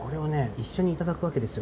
一緒にいただくわけですよ。